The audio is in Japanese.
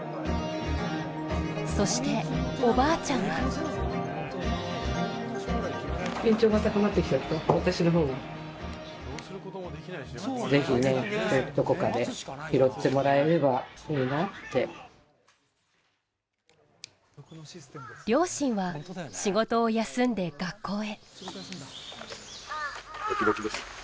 そして、おばあちゃんは両親は仕事を休んで学校へ。